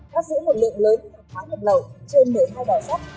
bắt giữ một lượng lớn hợp lậu trên một mươi hai đòi sắt